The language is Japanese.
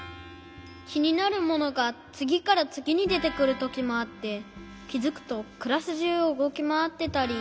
きになるものがつぎからつぎにでてくるときもあってきづくとクラスじゅうをうごきまわってたり。